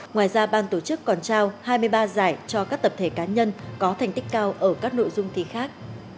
ngoài ra ban tổ chức còn trao hai mươi ba giải cho các tập thể cá nhân có thành tích cao ở các nội dung thi khác